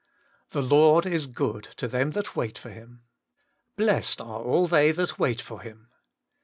The Lord is good to them that wait for Him.' * Blessed are all they that wait for Him.'